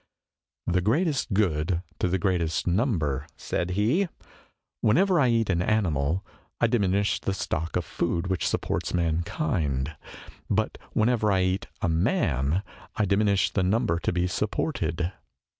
"The Greatest Qfoocl to the greatest number," said he. "When o o o ever I eat an animal, I diminish the stock of food which supports mankind, but whenever I eat a man, I diminish the number to be supported.